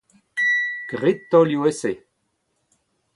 Grit taolioù-esae.